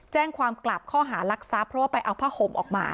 แจ้งความกลับข้อหารักทรัพย์เพราะว่าไปเอาผ้าห่มออกมา